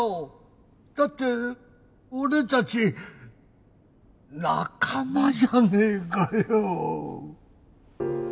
だって俺たち仲間じゃねえかよ。